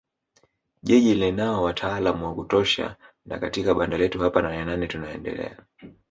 Jiji linao wataalam wa kutosha na katika banda letu hapa Nanenane tutaendelea